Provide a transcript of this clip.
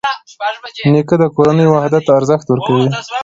نیکه د کورنۍ وحدت ته ارزښت ورکوي.